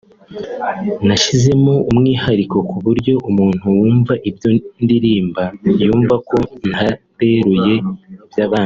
nashyizemo umwihariko ku buryo umuntu wumva ibyo ndirimba yumva ko ntateruye iby’abandi